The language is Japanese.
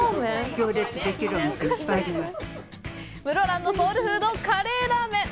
室蘭のソウルフード・カレーラーメン。